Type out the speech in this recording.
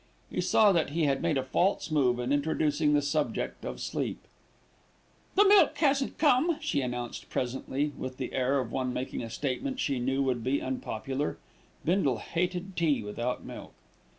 He saw that he had made a false move in introducing the subject of sleep. "The milk hasn't come," she announced presently with the air of one making a statement she knew would be unpopular. Bindle hated tea without milk.